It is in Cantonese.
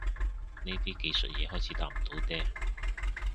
呢啲技術嘢開始搭唔到嗲